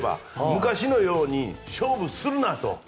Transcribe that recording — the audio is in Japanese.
昔のように勝負するなと。